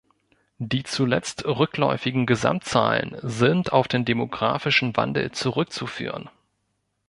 Die zuletzt rückläufigen Gesamtzahlen sind auf den demografischen Wandel zurückzuführen.